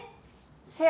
せや。